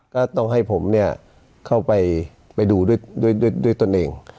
ก็ต้องให้ผมเนี่ยเข้าไปไปดูด้วยตนเอง